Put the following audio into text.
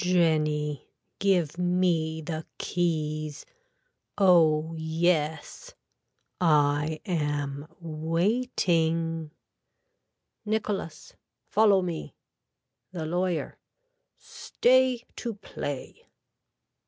Jenny give me the keys. Oh yes. I am waiting. (Nicholas.) Follow me. (The lawyer.) Stay to play.